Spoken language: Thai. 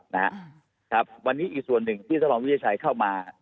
นะครับวันนี้อีกส่วนหนึ่งที่ท่านรองวิทยุชัยเข้ามา